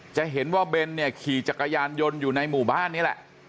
จะเห็นว่าเบนเนี่ยขี่จักรยานยนต์อยู่ในหมู่บ้านนี่แหละ